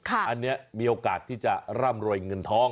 อันนี้มีโอกาสที่จะร่ำรวยเงินทอง